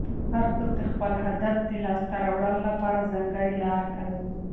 هر څوک د خپل هدف د لاسته راوړلو لپاره ځانګړې لاره کاروي.